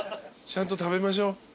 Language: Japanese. ちゃんと食べましょう。